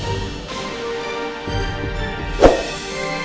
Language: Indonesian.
apa ada kaitannya dengan hilangnya sena